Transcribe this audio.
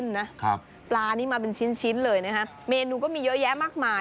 หน้านี้แน่นเลยนะ